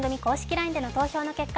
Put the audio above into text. ＬＩＮＥでの投票の結果